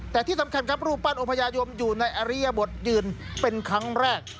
แต่ที่สำคัญครับรูปปั้นองพญายมอยู่ในอริยบทยืนเป็นครั้งแรก